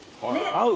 合う！